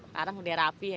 sekarang udah rapi ya